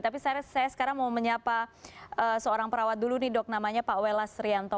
tapi saya sekarang mau menyapa seorang perawat dulu nih dok namanya pak welas rianto